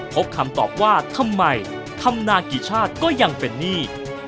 คำตอบว่าทำไมทำนานกี่ชาติก็ยังเป็นหนี้